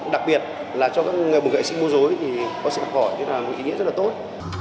đặc biệt là cho các nghệ sĩ mô rối thì có thể học hỏi thế là một ý nghĩa rất là tốt